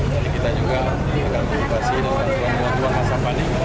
jadi kita juga akan beri kasih dengan tuan tuan tuan masyarakat panik